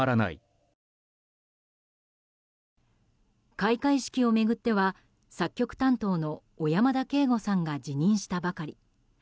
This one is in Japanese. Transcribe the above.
開会式を巡っては作曲担当の小山田圭吾さんが辞任したばかり。